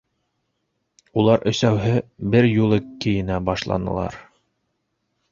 Улар өсәүһе бер юлы кейенә башланылар.